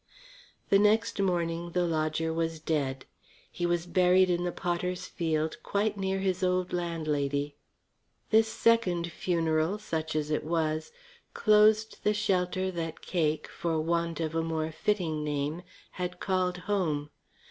The next morning the lodger was dead. He was buried in the potters' field quite near his old landlady. This second funeral, such as it was, closed the shelter that Cake, for want of a more fitting name, had called home.